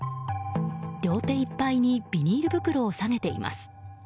両手いっぱいにビニール袋をさげています。